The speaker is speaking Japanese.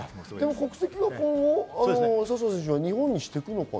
国籍は今後、笹生選手は日本にしていくのかな。